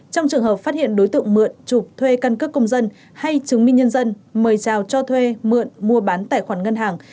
trong trường hợp phát hiện đối tượng mượn chụp thuê căn cước công dân hay chứng minh nhân dân mời chào cho thuê mượn mua bán tài khoản ngân hàng